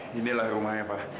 ya inilah rumahnya pak